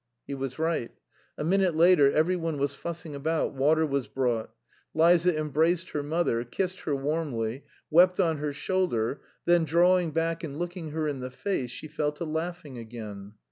He was right. A minute later every one was fussing about, water was brought. Liza embraced her mother, kissed her warmly, wept on her shoulder, then drawing back and looking her in the face she fell to laughing again.